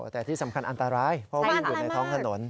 แต่ที่สำคัญอันตรายเพราะว่าอยู่ในท้องถนน